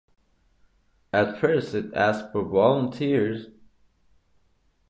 At first it asked for volunteers.